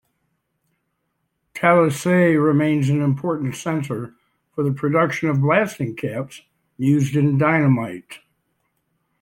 Talisay remains an important center for the production of blasting caps used in dynamite.